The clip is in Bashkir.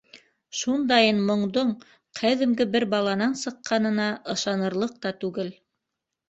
Шундайын моңдоң ҡәҙимге бер баланан сыҡҡанына ышанырлыҡ та түгел.